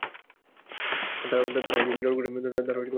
তারা মিলন ঘটে এবং সহবাস করে।